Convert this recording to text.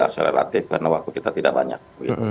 aseleratif karena waktu kita tidak banyak